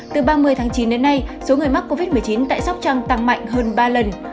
từ ba mươi tháng chín đến nay số người mắc covid một mươi chín tại sóc trăng tăng mạnh hơn ba lần